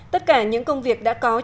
tất cả những công việc đã có trong kỳ họp